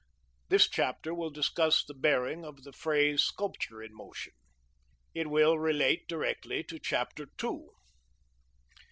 This chapter will discuss the bearing of the phrase sculpture in motion. It will relate directly to chapter two.